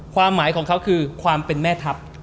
ความหมายของเขาคือความเป็นแม่ทัพ